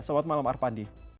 selamat malam arpadi